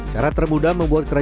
yang bagus ya